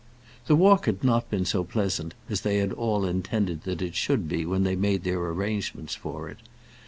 The walk had not been so pleasant as they had all intended that it should be when they made their arrangements for it.